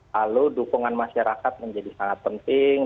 lalu dukungan masyarakat menjadi sangat penting